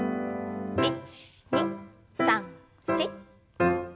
１２３４。